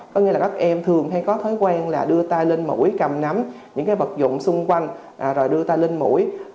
có nghĩa là các em thường hay có thói quen là đưa ta lên mũi cầm nắm những vật dụng xung quanh rồi đưa ta lên mũi